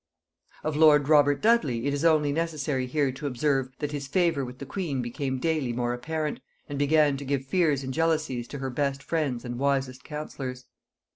Of lord Robert Dudley it is only necessary here to observe, that his favor with the queen became daily more apparent, and began to give fears and jealousies to her best friends and wisest counsellors.